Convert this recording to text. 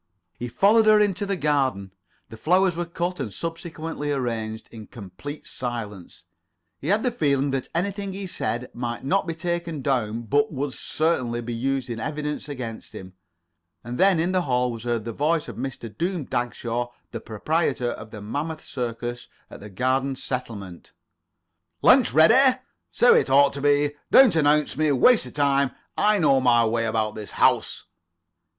He followed her into the garden. The flowers were cut, and subsequently arranged, in complete silence. He [Pg 27]had the feeling that anything he said might not be taken down, but would certainly be used in evidence against him. And then, in the hall, was heard the voice of Mr. Doom Dagshaw, the proprietor of the Mammoth Circus at the Garden Settlement. "Lunch ready? So it ought to be. Don't announce me. Waste of time. I know my way about in this house."